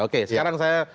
oke sekarang saya